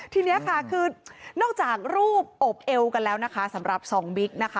ทีนี้ค่ะคือนอกจากรูปอบเอวกันแล้วนะคะสำหรับสองบิ๊กนะคะ